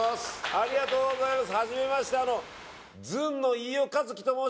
ありがとうございます